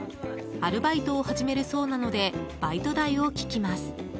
アルバイトを始めるそうなのでバイト代を聞きます。